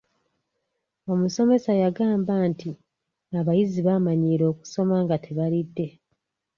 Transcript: Omusomesa yagamba nti abayizi baamanyiira okusoma nga tebalidde.